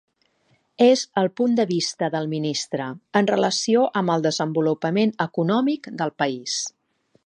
Es el punt de vista del ministre, en relació amb el desenvolupament econòmic del país.